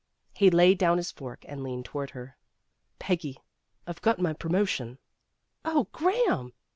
He laid down his fork and leaned toward her. " Peggy, I've got my promotion." " Oh, Graham!"